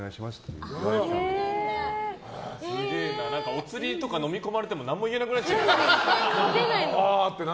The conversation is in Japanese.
おつりとかのみこまれても何も言えなくなっちゃう。